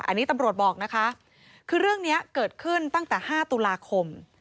อันนี้ตำรวจบอกนะคะคือเรื่องนี้เกิดขึ้นตั้งแต่๕ตุลาคม